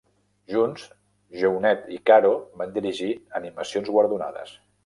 Junts, Jeunet i Caro van dirigir animacions guardonades.